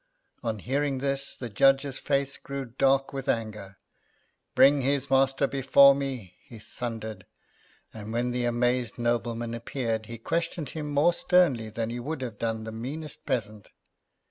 On hearing this the judge's face grew dark with anger. "Bring his master before me," he thundered, and when the amazed nobleman appeared, he questioned him more sternly than he would have done the meanest peasant.